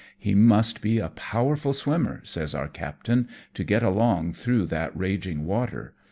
" He must be a powerful swimmer," says our captain, " to get along through that raging water.